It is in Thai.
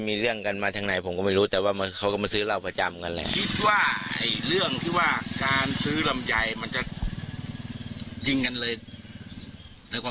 ยิงกันเลยในความคิดเราก็ได้เป็นยังไงครับ